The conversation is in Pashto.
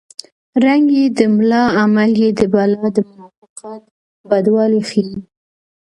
رنګ یې د ملا عمل یې د بلا د منافقت بدوالی ښيي